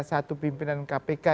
satu pimpinan kpk